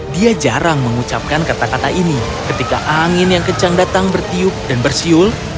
dia jarang mengucapkan kata kata ini ketika angin yang kencang datang bertiup dan bersiul